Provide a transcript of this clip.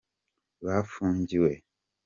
bafungiwe.